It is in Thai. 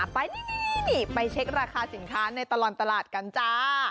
ไปนี่ไปเช็คราคาสินค้าในตลอดตลาดกันจ้า